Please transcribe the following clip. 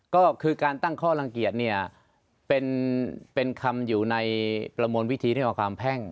ก็คือการตั้งข้อลังเกียจเนี่ยเป็นคำอยู่ในประมวลวิธีที่เอาความแพ่ง